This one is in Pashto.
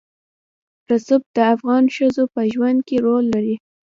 رسوب د افغان ښځو په ژوند کې رول لري.